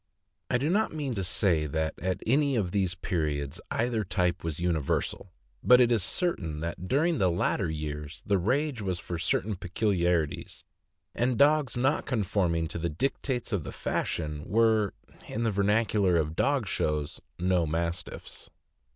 I do not mean to say that at any of these periods either type was universal; but it is certain that during the later years the rage was for certain peculiarities, and dogs riot conforming to the dictates of the fashion were, in the vernacular of dog shows, "no Mastiffs."